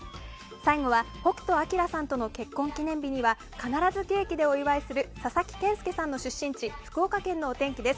最後は北斗晶さんとの結婚記念日には必ずケーキでお祝いする佐々木健介さんの出身地福岡県のお天気です。